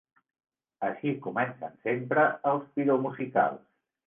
Així comencen sempre els piromusicals.